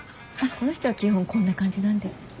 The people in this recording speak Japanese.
この人は基本こんな感じなんで。